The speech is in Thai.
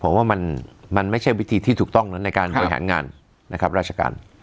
ผมว่ามันไม่ใช่วิธีที่ถูกต้องนะในการบริหารงานนะครับราชการ